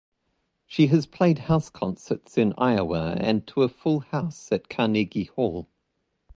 She has played houseconcerts in Iowa and to a full house at Carnegie Hall.